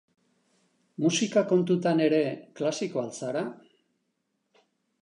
Musika kontutan ere, klasikoa al zara?